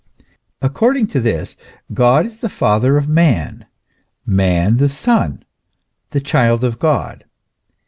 According to this God is the Father of man, man the son, the child of God.